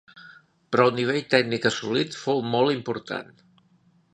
Però el nivell tècnic assolit fou molt important.